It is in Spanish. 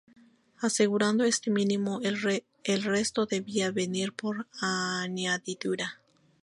Asegurando este mínimo, el resto debía venir por añadidura".